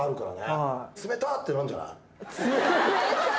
冷たい？